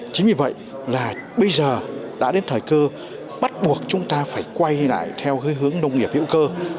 chính vì vậy là bây giờ đã đến thời cơ bắt buộc chúng ta phải quay lại theo hướng nông nghiệp hữu cơ